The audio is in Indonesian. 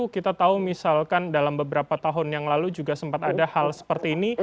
kita tahu misalkan dalam beberapa tahun yang lalu juga sempat ada hal seperti ini